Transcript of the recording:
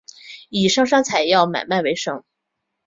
以上山采草药买卖为生。